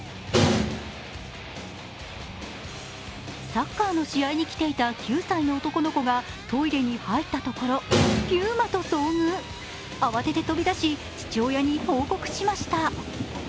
サッカーの試合に来ていた９歳の男の子がトイレに入ったところピューマと遭遇、慌てて飛び出し父親に報告しました。